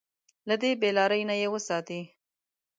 له دې بې لارۍ نه يې وساتي.